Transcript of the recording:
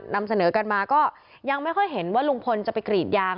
นำเสนอกันมาก็ยังไม่ค่อยเห็นว่าลุงพลจะไปกรีดยาง